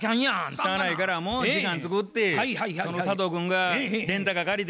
しゃあないからもう時間作ってその佐藤君がレンタカー借りて。